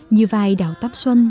như vai đào tam xuân